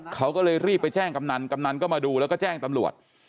เขาก็เลยรีบไปแจ้งกำนันกำนันก็มาดูแล้วก็แจ้งตำรวจ